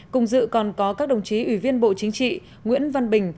cùng dự còn có các đồng chí ủy viên bộ chính trị nguyễn văn bình